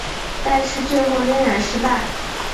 但是最后仍然失败。